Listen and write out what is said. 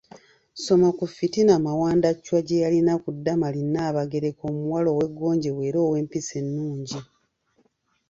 Soma ku fitina Mawanda Chwa gye yalina ku Damali Nabagereka omuwala ow’eggonjebwa era ow’empisa ennungi.